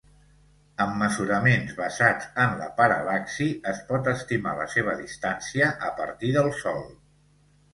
Amb mesuraments basats en la paral·laxi, es pot estimar la seva distància a partir del Sol.